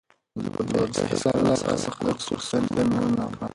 زه به بیا هیڅکله له اغا څخه د کورس پوښتنه ونه کړم.